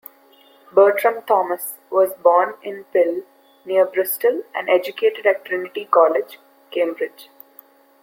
Bertram Thomas was born in Pill near Bristol and educated at Trinity College, Cambridge.